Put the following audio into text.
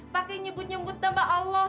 pakai nyebut nyebut nama allah